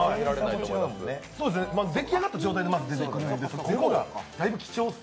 出来上がった状態でまず出てくるので貴重です。